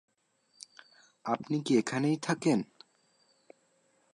আপনি কি এখানেই থাকেন?